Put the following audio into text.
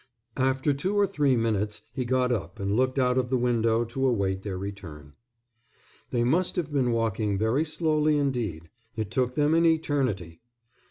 After two or three minutes he got up and looked out of the window to await their return. They must have been walking very slowly indeed. It took them an eternity.